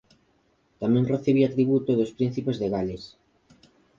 Tamén recibía tributo dos príncipes de Gales.